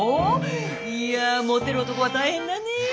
いやモテる男は大変だねえ！